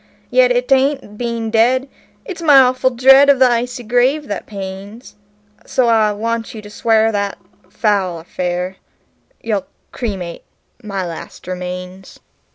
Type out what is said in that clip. Yet 'tain't being dead it's my awful dread of the icy grave that pains; So I want you to swear that, foul or fair, you'll cremate my last remains."